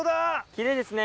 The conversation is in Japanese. きれいですね。